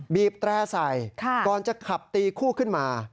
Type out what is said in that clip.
บีบแตร่ใส่ก่อนจะขับตีคู่ขึ้นมา